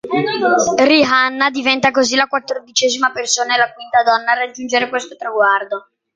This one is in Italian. Rihanna diventa così la quattordicesima persona e la quinta donna a raggiungere questo traguardo.